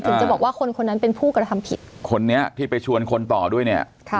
ถึงจะบอกว่าคนคนนั้นเป็นผู้กระทำผิดคนนี้ที่ไปชวนคนต่อด้วยเนี่ยค่ะ